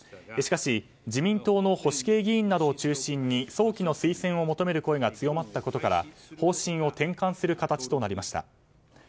しかし、自民党の保守系議員などを中心に早期の推薦を求める声が強まったことから方針を転換する形となりました。